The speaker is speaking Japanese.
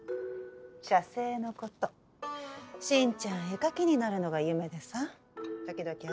写生のこと新ちゃん絵描きになるのが夢でさ時々あ